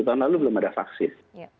tahun lalu belum ada vaksin